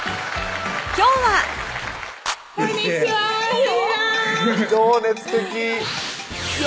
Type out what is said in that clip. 今日は「こんにちはヒロー！」